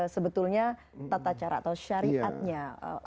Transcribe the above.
sebetulnya tata cara atau syariatnya